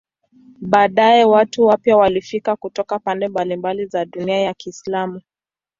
Baadaye watu wapya walifika kutoka pande mbalimbali za dunia ya Kiislamu.